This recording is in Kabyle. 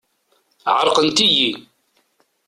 Ɛerqent-iyi.